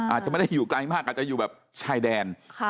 อาจจะไม่ได้อยู่ไกลมากอาจจะอยู่แบบชายแดน